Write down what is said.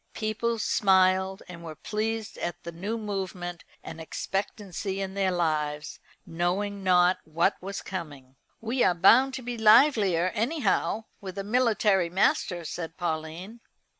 People smiled, and were pleased at the new movement and expectancy in their lives, knowing not what was coming. "We are bound to be livelier, anyhow, with a military master," said Pauline.